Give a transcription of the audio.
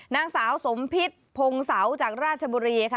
นางสาวสมพิษพงศาวจากราชบุรี